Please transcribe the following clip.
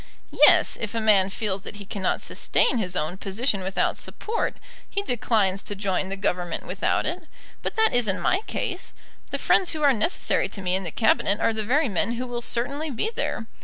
"Yes. If a man feels that he cannot sustain his own position without support, he declines to join the Government without it. But that isn't my case. The friends who are necessary to me in the Cabinet are the very men who will certainly be there.